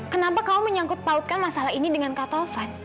kenapa kamu menyangkut pautkan masalah ini dengan kak taufan